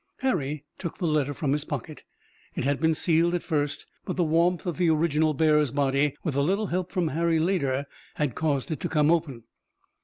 Harry took the letter from his pocket. It had been sealed at first, but the warmth of the original bearer's body with a little help from Harry later had caused it to come open.